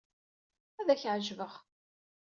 Ad ak-ɛejbeɣ.